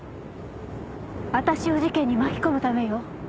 私を事件に巻き込むためよ。